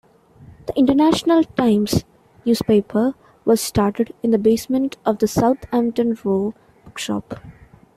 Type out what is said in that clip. The "International Times" newspaper was started in the basement of the Southampton Row bookshop.